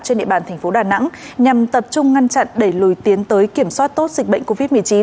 trên địa bàn thành phố đà nẵng nhằm tập trung ngăn chặn đẩy lùi tiến tới kiểm soát tốt dịch bệnh covid một mươi chín